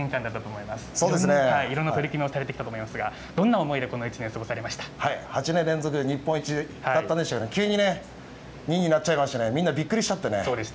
いろんな取り組みをされてきたと思いますが、どんな思いでこ８年連続で日本一だったんですけど、急に２位になっちゃいましてね、みんなびっくりしちゃってね。